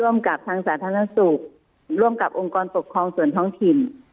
กับทางสาธารณสุขร่วมกับองค์กรปกครองส่วนท้องถิ่น